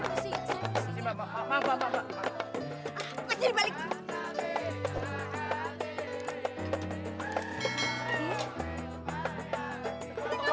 sampai jumpa lagi